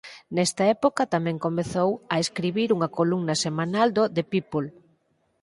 Nesta época tamén comezou a escribir unha columna semanal no "The People".